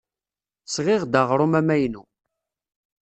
Sɣiɣ-d aɣrum amaynu.